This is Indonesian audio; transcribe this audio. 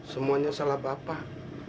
semuanya salah bapak